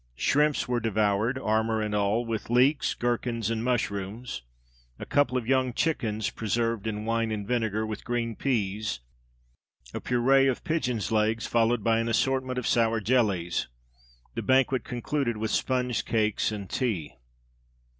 Shrimps were devoured, armour and all, with leeks, gherkins, and mushrooms. A couple of young chickens preserved in wine and vinegar, with green peas, a purée of pigeon's legs followed by an assortment of sour jellies. The banquet concluded with sponge cakes and tea.